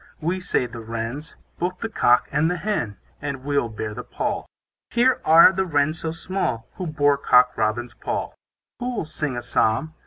We, say the Wrens, Both the cock and the hen, And we'll bear the pall. Here are the Wrens so small, Who bore Cock Robin's pall. Who'll sing a psalm?